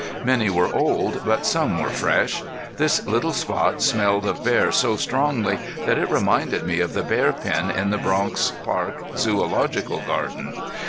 Many were old, but some were fresh. This little spot smelled of bear so strongly that it reminded me of the bear pen in the Bronx Park Zoological Garden.